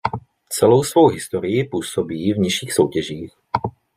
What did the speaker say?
Celou svou historii působí v nižších soutěžích.